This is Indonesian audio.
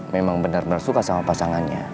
memang bener bener suka sama pasangannya